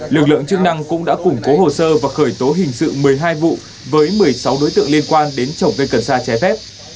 lực lượng chức năng cũng đã củng cố hồ sơ và khởi tố hình sự một mươi hai vụ với một mươi sáu đối tượng liên quan đến trồng cây cần sa trái phép